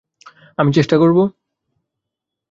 আমি চেষ্টা করবো?